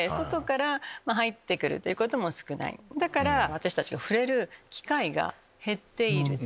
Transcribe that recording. だから私たちが触れる機会が減っている。